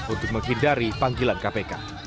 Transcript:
untuk menghindari panggilan kpk